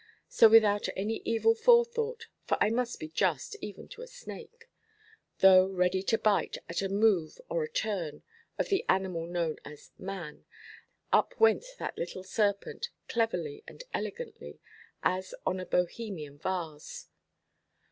So without any evil forethought—for I must be just, even to a snake—though ready to bite, at a move or a turn, of the animal known as "man," up went that little serpent, cleverly and elegantly, as on a Bohemian vase.